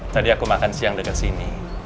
tadi aku makan siang dekat sini